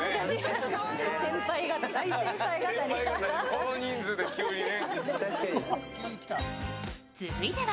この人数で急にね。